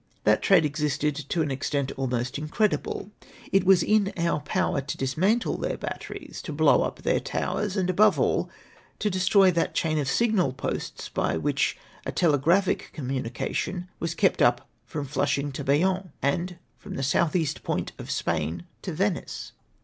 That trade existed to an extent almost incredible. It was in our power to dismantle their batteries, — to blow up their towers, — and, above all, to destroy that chain of signal posts, by which a telegraphic comnmnicatiou was kept up from 250 AYHAT MIGHT BE DOXE WITH SMALL MEAXS. Flushing to Bayonne, and from the south east point of Spain to Venice.